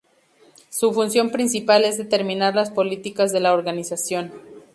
Su función principal es determinar las políticas de la Organización.